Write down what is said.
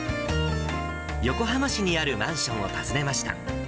横浜市にあるマンションを訪ねました。